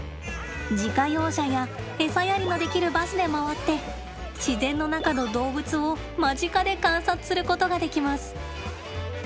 自家用車やエサやりのできるバスで回って自然の中の動物を間近で観察することができます。